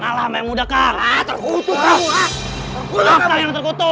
aku akan aturan kamu yang buat